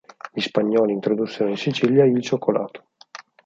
Gli spagnoli introdussero in Sicilia il cioccolato.